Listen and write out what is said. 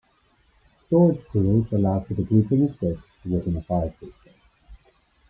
Storage pools allow for the grouping of disks within a file system.